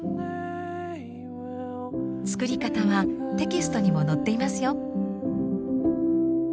作り方はテキストにも載っていますよ。